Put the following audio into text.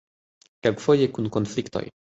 Kelkfoje kun konfliktoj.